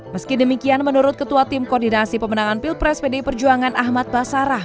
meski demikian menurut ketua tim koordinasi pemenangan pilpres pdi perjuangan ahmad basarah